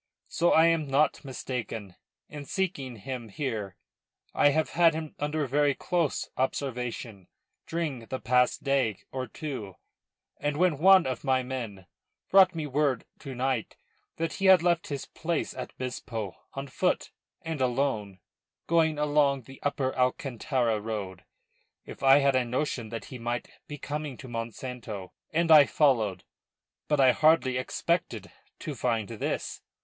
So I am not mistaken in seeking him here. I have had him under very close observation during the past day or two, and when one of my men brought me word tonight that he had left his place at Bispo on foot and alone, going along the upper Alcantara road, If had a notion that he might be coming to Monsanto and I followed. But I hardly expected to find this.